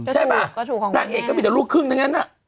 ใช่ป่ะนางเอกก็มีแต่ลูกครึ่งทั้งนั้น